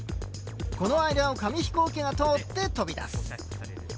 この間を紙飛行機が通って飛び出す。